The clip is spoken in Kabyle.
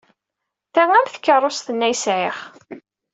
Ta am tkeṛṛust-nni ay sɛiɣ.